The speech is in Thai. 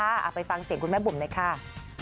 เอาไปฟังเสียงคุณแม่บุ๋มหน่อยค่ะ